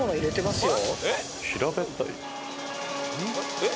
えっ？